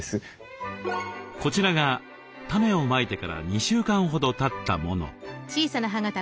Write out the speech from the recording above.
こちらが種をまいてから２週間ほどたったもの。